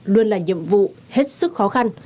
luôn là nhiệm vụ hết sức khó khăn